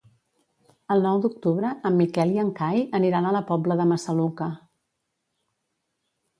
El nou d'octubre en Miquel i en Cai aniran a la Pobla de Massaluca.